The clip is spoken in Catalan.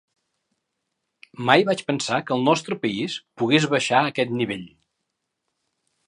Mai vaig pensar que el nostre país pogués baixar a aquest nivell.